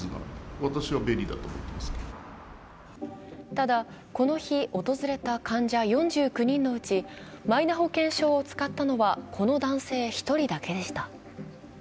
ただ、この日、訪れた患者４９人のうちマイナ保険証を使ったのはこの男性１人だけでした。